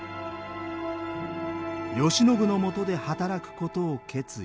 慶喜のもとで働くことを決意。